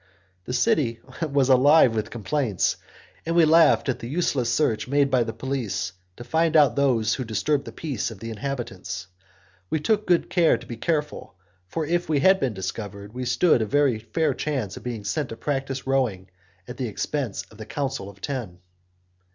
The city was alive with complaints, and we laughed at the useless search made by the police to find out those who disturbed the peace of the inhabitants. We took good care to be careful, for if we had been discovered we stood a very fair chance of being sent to practice rowing at the expense of the Council of Ten.